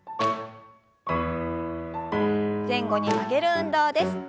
前後に曲げる運動です。